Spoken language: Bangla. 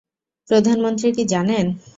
প্রধানমন্ত্রী কি জানেন?